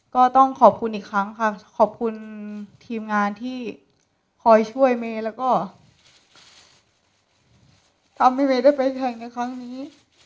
ก็ต้องขอบคุณอีกครั้งค่ะขอบคุณทีมงานที่คอยช่วยเมย์แล้วก็ทำให้เมย์ได้ไปแข่งในครั้งนี้